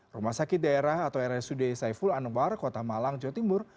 rumah sakit daerah atau rsud saiful anwar kota malang jawa timur